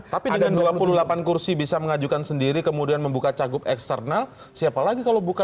tapi dengan dua puluh delapan kursi bisa mengajukan sendiri kemudian membuka cagup eksternal siapa lagi kalau bukan